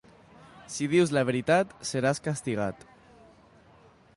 Si dius la veritat seràs castigat.